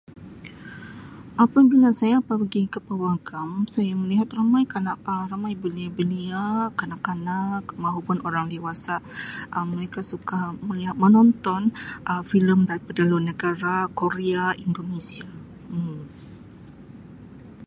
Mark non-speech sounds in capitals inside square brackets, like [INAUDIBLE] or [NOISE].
Apabila saya pergi ke pawagam saya melihat ramai kana- Um ramai belia-belia, kanak-kanak mahupun urang dewasa [NOISE] Um mereka suka melihat-menonton Um filem daripada luar negara, Korea, Indonesia Um